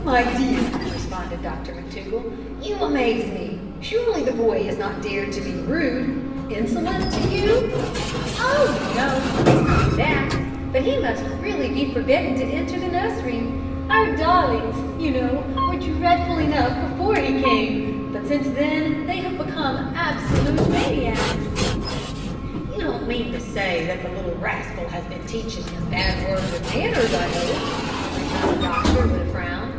"My dear," responded Dr McTougall, "you amaze me; surely the boy has not dared to be rude insolent to you?" "Oh no, it's not that; but he must really be forbidden to enter the nursery. Our darlings, you know, were dreadful enough before he came, but since then they have become absolute maniacs." "You don't mean to say that the little rascal has been teaching them bad words or manners, I hope?" returned the doctor, with a frown.